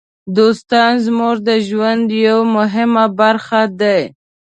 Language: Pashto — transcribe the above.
دوستان زموږ د ژوند یوه مهمه برخه دي.